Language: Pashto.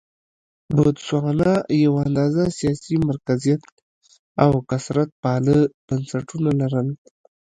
بوتسوانا یو اندازه سیاسي مرکزیت او کثرت پاله بنسټونه لرل.